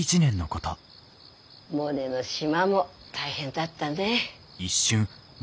モネの島も大変だったね。